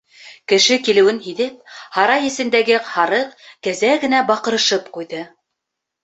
Кеше килеүен һиҙеп, һарай эсендәге һарыҡ-кәзә генә баҡырышып ҡуйҙы.